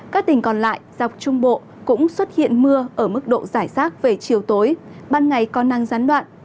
các tỉnh còn lại dọc trung bộ cũng xuất hiện mưa ở mức độ giải rác về chiều tối ban ngày có năng gián đoạn